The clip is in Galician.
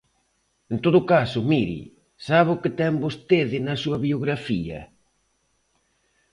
En todo caso, mire, ¿sabe o que ten vostede na súa biografía?